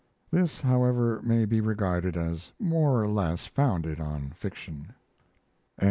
This, however, may be regarded as more or less founded on fiction. CCXX.